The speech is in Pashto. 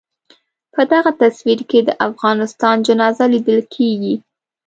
په دغه تصویر کې د افغانستان جنازه لیدل کېږي.